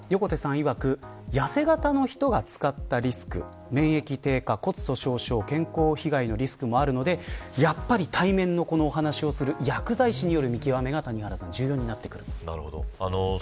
いわく痩せ形の人が使ったリスク免疫低下や骨粗しょう症健康被害のリスクもありますので薬剤師による見極めが重要になります。